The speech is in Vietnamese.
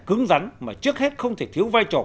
cứng rắn mà trước hết không thể thiếu vai trò